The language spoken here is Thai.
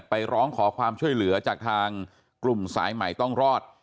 ร้องขอความช่วยเหลือจากทางกลุ่มสายใหม่ต้องรอด